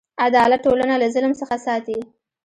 عدالت ټولنه له ظلم څخه ساتي.